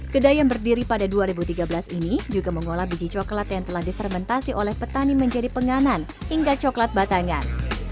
kedai yang berdiri pada dua ribu tiga belas ini juga mengolah biji coklat yang telah difermentasi oleh petani menjadi penganan hingga coklat batangan